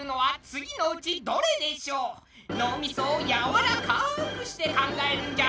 脳みそをやわらかくして考えるんじゃぞ。